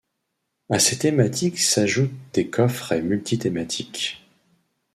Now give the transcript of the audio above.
À ces thématiques s’ajoutent des coffrets multi-thématiques.